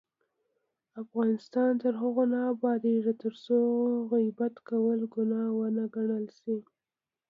افغانستان تر هغو نه ابادیږي، ترڅو غیبت کول ګناه وګڼل شي.